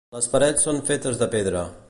Les parets són fetes de pedra.